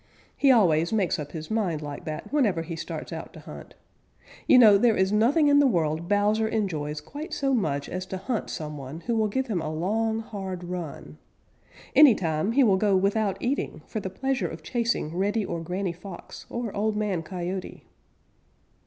He always makes up his mind like that whenever he starts out to hunt. You know there is nothing in the world Bowser enjoys quite so much as to hunt some one who will give him a long, hard run. Any time he will go without eating for the pleasure of chasing Reddy or Granny Fox, or Old Man Coyote.